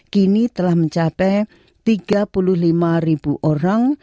kini telah mencapai tiga puluh lima ribu orang